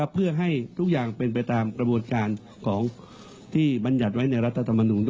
เพื่อให้ทุกอย่างเป็นไปตามกระบวนการของที่บรรยัติไว้ในรัฐธรรมนูล